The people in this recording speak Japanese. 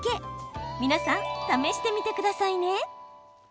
皆さん、試してみてくださいね。